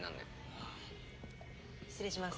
失礼します。